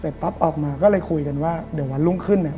ปั๊บออกมาก็เลยคุยกันว่าเดี๋ยววันรุ่งขึ้นเนี่ย